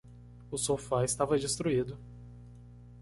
O sofá estava destruído